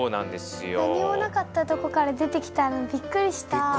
何も無かったとこから出てきたのびっくりした。